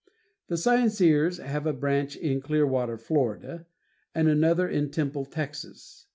The Scienceers have a branch in Clearwater, Florida, and another in Temple, Texas.